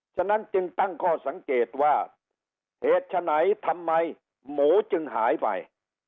ฉะนั้นจึงตั้งข้อสังเกตว่าเหตุฉะไหนทำไมหมูจึงหายไป